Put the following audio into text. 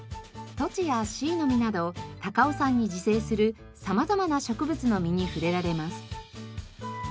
トチやシイの実など高尾山に自生する様々な植物の実に触れられます。